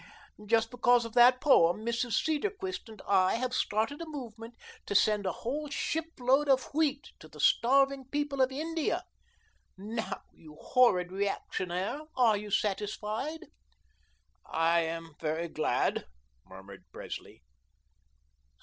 Just because of that poem Mrs. Cedarquist and I have started a movement to send a whole shipload of wheat to the starving people in India. Now, you horrid reactionnaire, are you satisfied?" "I am very glad," murmured Presley.